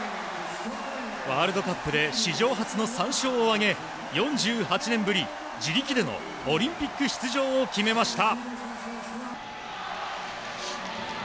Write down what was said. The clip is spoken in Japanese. ワールドカップで史上初の３勝を挙げ４８年ぶり自力でのオリンピック出場を決めました。